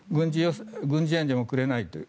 軍事援助もくれないという。